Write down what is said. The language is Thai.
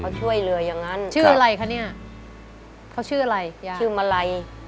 เขาช่วยเหลืออย่างนั้นชื่ออะไรคะเนี่ยเขาชื่ออะไรย่าชื่อมาลัย